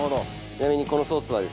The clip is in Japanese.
ちなみにこのソースはですね